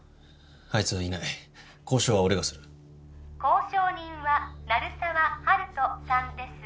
あいつはいない交渉は俺がする交渉人は鳴沢温人さんです